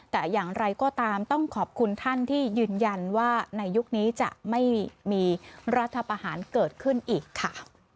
แต่อย่างไรก็ตามต้องขอบคุณท่านที่ยืนยันว่าในยุคนี้จะไม่มีรัฐประหารเกิดขึ้นอีกค่ะ